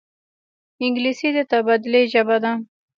انګلیسي د تبادلې ژبه ده